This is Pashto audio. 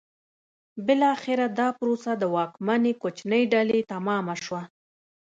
بالاخره دا پروسه د واکمنې کوچنۍ ډلې تمامه شوه.